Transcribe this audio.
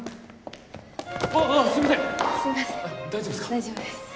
大丈夫ですか？